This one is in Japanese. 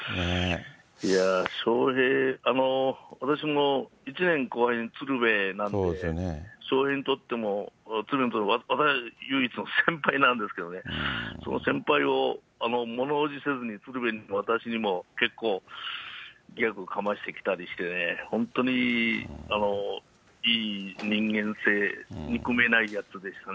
いやー、私も１年後輩に鶴瓶なんで、笑瓶にとっても、唯一の先輩なんですけどね、その先輩もものおじせずに、鶴瓶にも私にも結構ギャグかましてきたりしてね、本当に、いい人間性、憎めないやつでしたね。